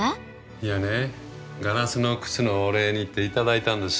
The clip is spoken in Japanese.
いやねガラスの靴のお礼にっていただいたんです。